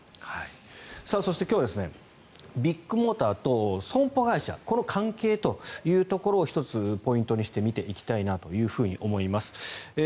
そして、今日はビッグモーターと損保会社この関係というところを１つポイントにして見ていきたいなと思います。